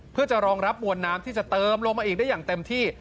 เพื่อจะรองรับมวลน้ำที่จะเติมลงมาอีกได้อย่างเต็มที่